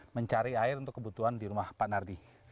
mencari air untuk kebutuhan di rumah pak nardi